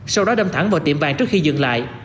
sau đó đâm thẳng vào tiệm vàng trước khi dừng lại